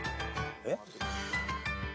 えっ？